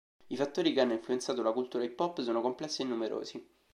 I fattori che hanno influenzato la cultura hip hop sono complessi e numerosi.